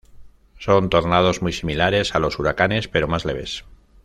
Son tornados muy similares a los huracanes pero más leves.